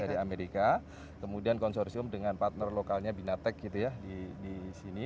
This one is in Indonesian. dari amerika kemudian konsorsium dengan partner lokalnya binatech gitu ya di sini